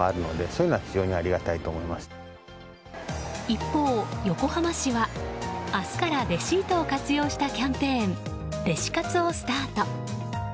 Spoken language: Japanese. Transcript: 一方、横浜市は明日からレシートを活用したキャンペーンレシ活をスタート。